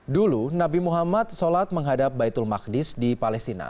dulu nabi muhammad sholat menghadap baitul maqdis di palestina